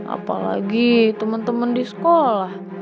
apalagi teman teman di sekolah